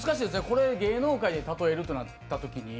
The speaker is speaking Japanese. これ芸能界で例えるとなった時に。